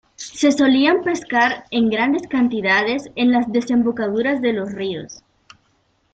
Se solían pescar en grandes cantidades en las desembocaduras de los ríos.